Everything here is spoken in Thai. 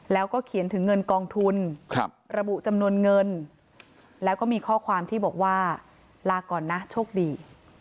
แล้วก็เขียนถึงเงินกองทุนระบุจำนวนเงินแล้วก็มีข้อความที่บอกว่าลาก่อนนะโชคดี